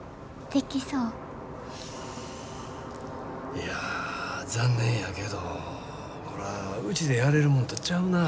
いや残念やけどこらうちでやれるもんとちゃうな。